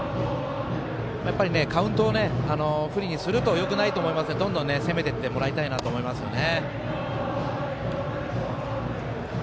やっぱり、カウントを不利にするとよくないと思うんで、どんどんせめていってもらいたいなと思いますよね。